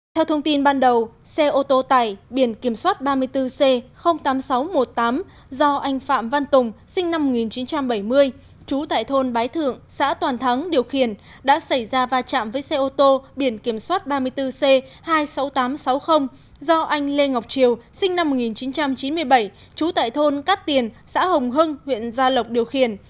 theo thông tin ban đầu xe ô tô tải biển kiểm soát ba mươi bốn c tám nghìn sáu trăm một mươi tám do anh phạm văn tùng sinh năm một nghìn chín trăm bảy mươi trú tại thôn bái thượng xã toàn thắng điều khiển đã xảy ra va chạm với xe ô tô biển kiểm soát ba mươi bốn c hai mươi sáu nghìn tám trăm sáu mươi do anh lê ngọc triều sinh năm một nghìn chín trăm chín mươi bảy trú tại thôn cát tiền xã hồng hưng huyện gia lộc điều khiển